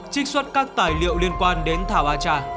trích xuất các tài liệu liên quan đến thảo a trà